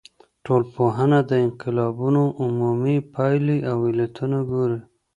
ټولنپوه د انقلابونو عمومي پايلي او علتونه ګوري.